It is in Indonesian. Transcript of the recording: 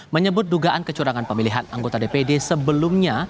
menyebut dugaan kecurangan pemilihan anggota dpd sebelumnya